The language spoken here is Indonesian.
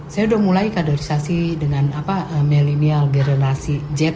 saya udah mulai kadalisasi dengan millennial generasi j